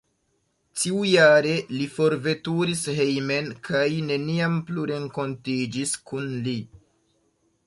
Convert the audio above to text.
Tiujare li forveturis hejmen kaj neniam plu renkontiĝis kun ili.